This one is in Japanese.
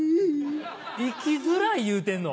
「生きづらい」言うてんの？